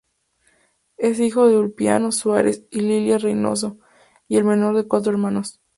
Es hijo de Ulpiano Suarez y Lilia Reynoso y el menor de cuatro hermanos.